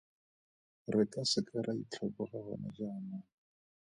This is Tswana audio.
Re ka se ke ra itlhoboga gone jaanong.